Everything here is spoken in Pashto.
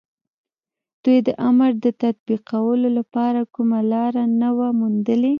دوی د امر د تطبيقولو لپاره کومه لاره نه وه موندلې.